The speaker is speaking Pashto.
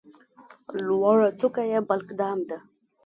لوړه څوکه یې بلک دام ده.